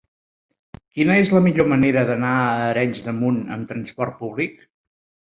Quina és la millor manera d'anar a Arenys de Munt amb trasport públic?